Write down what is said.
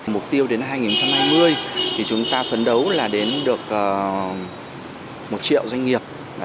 mục tiêu đến hai nghìn hai mươi thì chúng ta phấn đấu là đến được một triệu doanh nghiệp